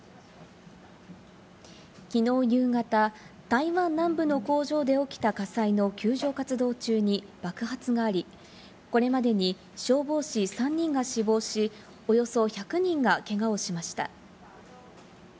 きのう夕方、台湾南部の工場で起きた火災の救助活動中に爆発があり、これまでに消防士３人が死亡し、およそ１００人がけがをしました。